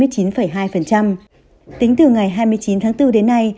tính từ ngày hai mươi chín tháng bốn đến nay